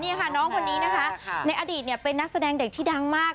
นี่ค่ะน้องคนนี้นะคะในอดีตเป็นนักแสดงเด็กที่ดังมาก